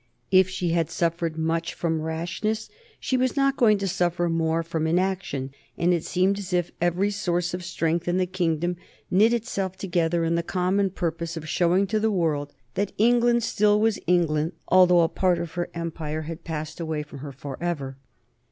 If she had suffered much from rashness she was not going to suffer more from inaction, and it seemed as if every source of strength in the kingdom knit itself together in the common purpose of showing to the world that England still was England, although a part of her empire had passed away from her forever.